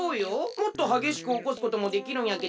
もっとはげしくおこすこともできるんやけどね。